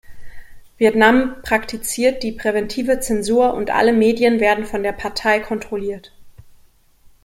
Vietnam praktiziert die präventive Zensur, und alle Medien werden von der Partei kontrolliert.